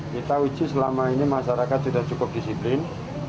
kita uji selama ini masyarakat sudah cukup disiplin